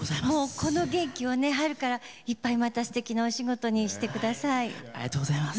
この元気をね、春からいっぱいまた、すてきなお仕事にしてください。